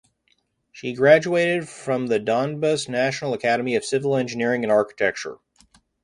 She graduated from the Donbas National Academy of Civil Engineering and Architecture.